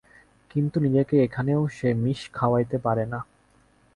কিন্তু নিজেকে এখানেও সে মিশ খাওয়াইতে পারে না।